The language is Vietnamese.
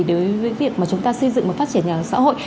đối với việc mà chúng ta xây dựng và phát triển nhà ở xã hội